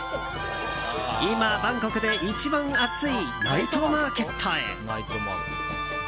今、バンコクで一番熱いナイトマーケットへ。